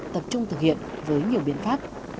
tập trung thực hiện với nhiều biện pháp